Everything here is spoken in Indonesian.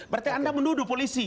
berarti anda menuduh polisi